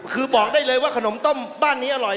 คือบอกได้เลยว่าขนมต้มบ้านนี้อร่อย